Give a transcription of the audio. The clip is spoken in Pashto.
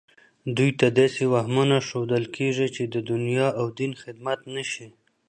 دوی ته داسې وهمونه ښودل کېږي چې د دنیا او دین خدمت نه شي